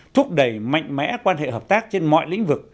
thúc đẩy mạnh mẽ quan hệ hợp tác trên mọi lĩnh vực